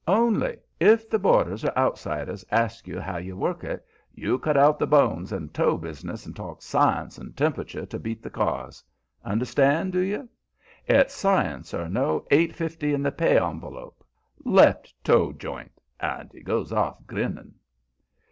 ONLY, if the boarders or outsiders ask you how you work it, you cut out the bones and toe business and talk science and temperature to beat the cars. Understand, do you? It's science or no eight fifty in the pay envelope. Left toe joint!" And he goes off grinning.